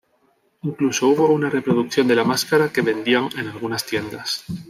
Incluso hubo una reproducción de la máscara que vendían en algunas tiendas.